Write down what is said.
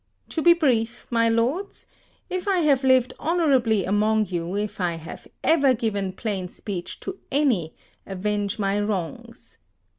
To be brief, my lords: if I have lived honourably among you, if I have never given plain speech to any, avenge my wrongs.